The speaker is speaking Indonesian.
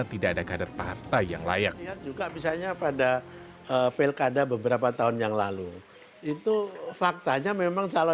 tidak terdapat persaingan keras dengan tokoh tokoh lokal